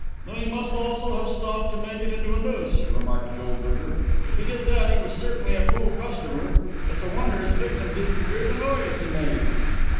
"Then he must also have stopped to make it into a noose," remarked Goldberger. "If he did that, he was certainly a cool customer. It's a wonder his victim didn't hear the noise he made."